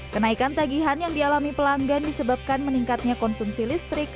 kenaikan tagihan yang dialami pelanggan disebabkan meningkatnya konsumsi listrik